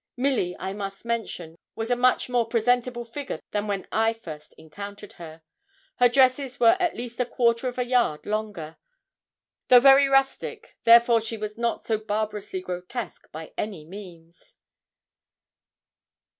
Milly, I must mention, was a much more presentable figure than when I first encountered her. Her dresses were at least a quarter of a yard longer. Though very rustic, therefore, she was not so barbarously grotesque, by any means.